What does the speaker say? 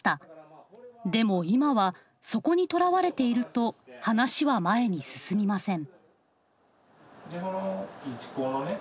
でも今はそこにとらわれていると話は前に進みません。